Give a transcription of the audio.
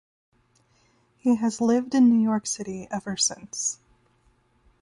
He has lived in New York City ever since.